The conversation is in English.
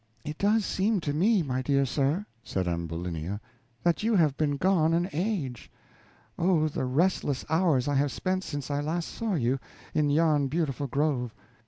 "It does seem to me, my dear sir," said Ambulinia, "that you have been gone an age. Oh, the restless hours I have spent since I last saw you, in yon beautiful grove.